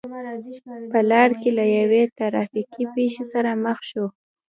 په لار کې له یوې ترا فیکې پېښې سره مخ شوم.